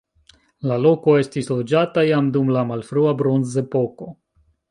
La loko estis loĝata jam dum la malfrua bronzepoko.